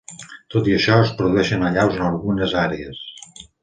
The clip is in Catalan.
Tot i això, es produeixen allaus en algunes àrees.